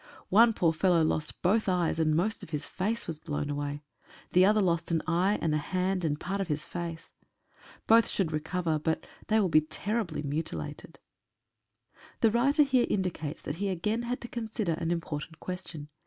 One poor fellow lost both eyes, and most of his face was blown away ; the other lost an eye and a hand and part of his face. Both should recover, but they will be ter ribly mutilated. The writer here indicates that he again had to con sider an important question.